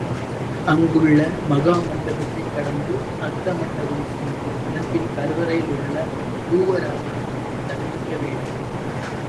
அங்குள்ள மகா மண்டபத்தைக் கடந்து, அர்த்த மண்டபம் சென்று, அதன் பின் கருவறையில் உள்ள பூவராகனைத் தரிசிக்க வேணும்.